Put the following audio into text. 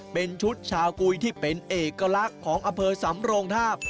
เป็นชุดชาวกุยที่เป็นเอกลักษณ์ของอำเภอสำโรงทาบ